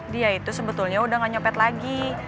dia itu sebetulnya udah gak nyepet lagi